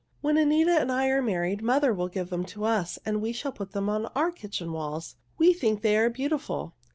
When Anita and I are married, mother will give them to us and we shall put them on our kitchen walls. We think they are beautiful."